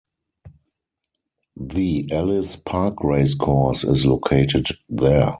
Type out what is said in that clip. The Ellis Park Race Course is located there.